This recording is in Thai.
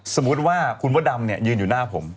สมมุติว่าคุณมดดำเนี่ยยืนอยู่หน้าผม